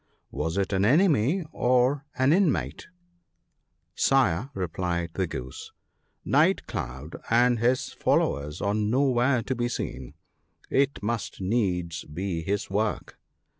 Was it an enemy or an inmate ?'* Sire,' replied the Goose, * Night cloud and his fol lowers are nowhere to be seen, — it must needs be his work.'